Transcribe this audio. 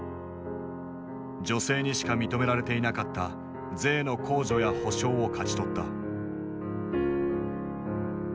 女性にしか認められていなかった税の控除や保障を勝ち取った。